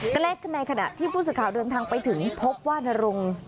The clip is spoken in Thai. ใกล้ในขณะที่ผู้สื่อข่าวเดินทางไปถึงพบว่านรง